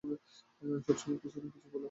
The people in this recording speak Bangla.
সবসময় কিছু না কিছু বলে।